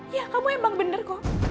ya kamu emang bener kok